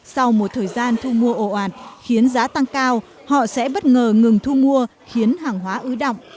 sau một thời gian thu mua ổ ạt khiến giá tăng cao họ sẽ bất ngờ ngừng thu mua khiến hàng hóa ứ động